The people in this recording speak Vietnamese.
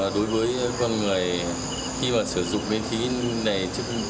đối với con người khi mà sử dụng cái khí này